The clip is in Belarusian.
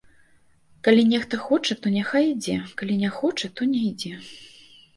Калі нехта хоча, то няхай ідзе, калі не хоча, то не ідзе.